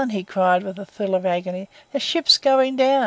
he cried with a thrill of agony. 'The ship's going down!